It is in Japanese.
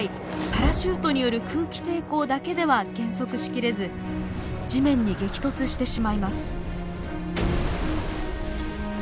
パラシュートによる空気抵抗だけでは減速し切れず地面に激突してしまいます。